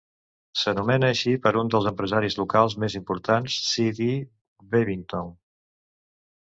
S'anomena així per un dels empresaris locals més importants, C. D. Bevington.